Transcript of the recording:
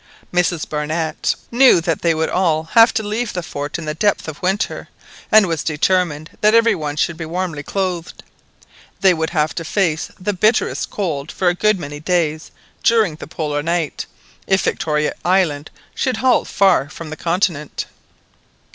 Mrs Barnett knew that they would all have to leave the fort in the depth of winter, and was determined that every one should be warmly clothed. They would have to face the bitterest cold for a good many days during the Polar night, if Victoria Island should halt far from the continent.